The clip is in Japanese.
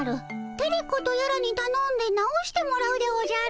テレ子とやらにたのんで直してもらうでおじゃる。